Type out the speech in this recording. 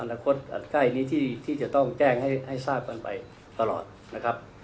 อนาคตใกล้นี้ที่จะต้องแจ้งให้ทราบกันไปตลอดนะครับ